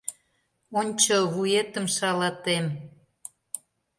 Ончо, вуетым шалатем!